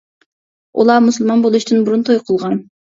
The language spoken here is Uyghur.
ئۇلار مۇسۇلمان بولۇشتىن بۇرۇن توي قىلغان.